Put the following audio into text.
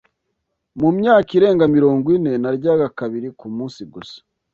Mu myaka irenga mirongo ine, naryaga kabiri ku munsi gusa